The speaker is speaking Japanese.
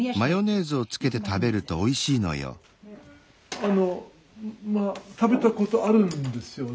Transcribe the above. あのまあ食べたことあるんですよね